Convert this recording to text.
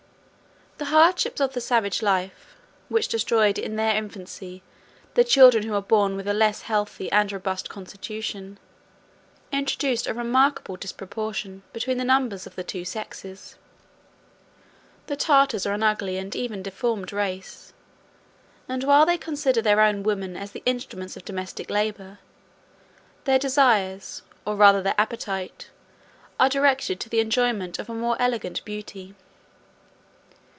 The hardships of the savage life, which destroy in their infancy the children who are born with a less healthy and robust constitution, introduced a remarkable disproportion between the numbers of the two sexes. The Tartars are an ugly and even deformed race; and while they consider their own women as the instruments of domestic labor, their desires, or rather their appetites, are directed to the enjoyment of more elegant beauty.